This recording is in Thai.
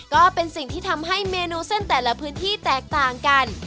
ก็เป็นสิ่งที่ทำให้เมนูเส้นแต่ละพื้นที่แตกต่างกัน